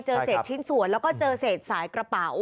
เศษชิ้นส่วนแล้วก็เจอเศษสายกระเป๋า